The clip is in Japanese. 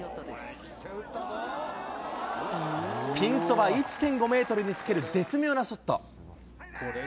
ピンそば１．５メートルにつける絶妙なショット。